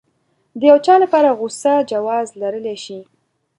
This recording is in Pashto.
د يو چا لپاره غوسه جواز لرلی شي.